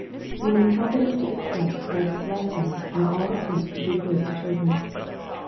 We may confidently expect Christ's blessing on all attempts to do good to children.